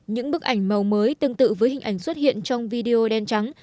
những bức ảnh màu mới tương tự với hình ảnh xuất hiện trong video đen trắng